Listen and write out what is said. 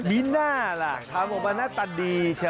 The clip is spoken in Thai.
นี่น่ารักถามออกมาน่าตัดดีเฉย